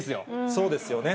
そうですよね。